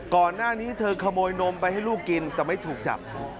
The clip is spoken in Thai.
ก่อนหน้านี้เธอขโมยนมไปให้ลูกกินแต่ไม่ถูกจับ